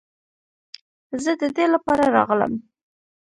زه د دې لپاره راغلم.